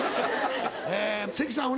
関さん